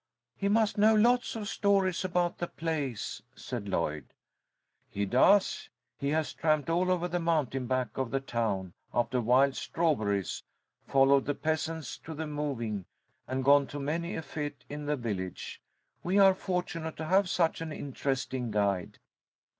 "He must know lots of stories about the place," said Lloyd. "He does. He has tramped all over the mountain back of the town after wild strawberries, followed the peasants to the mowing, and gone to many a fête in the village. We are fortunate to have such an interesting guide."